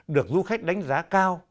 được du khách đánh giá cao